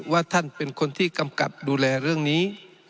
ว่าท่านเป็นคนที่กำกับดูแลเรื่องนี้